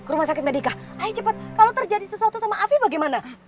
rumah sakit medika ayo cepet kalau terjadi sesuatu sama afif bagaimana